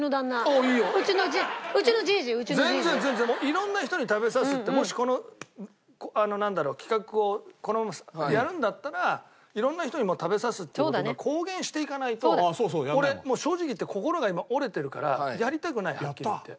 色んな人に食べさすってもしこの企画をこのままやるんだったら色んな人に食べさすっていう事を公言していかないと俺もう正直言って心が今折れてるからやりたくないハッキリ言って。